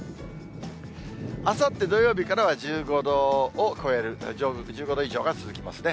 あさって土曜日からは１５度を超える、１５度以上が続きますね。